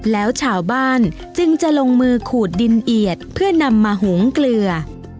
แล้วชาวบ้านจึงจะลงมือขูดดินเอียดเพื่อนำมาหุงเกลือ